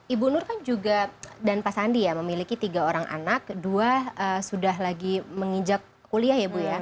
ibu nur kan juga dan pak sandi ya memiliki tiga orang anak dua sudah lagi menginjak kuliah ya bu ya